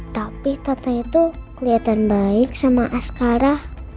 tapi tante itu kelihatan baik sama askara